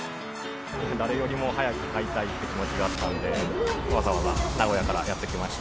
誰よりも早く買いたい気持ちがあったので、わざわざ名古屋からやって来ました。